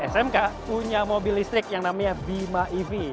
smk punya mobil listrik yang namanya bima ev